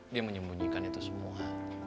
dia menyembunyikan itu semua